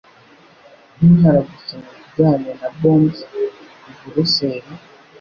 Nkimara gusoma ibijyanye na Bombs i Buruseli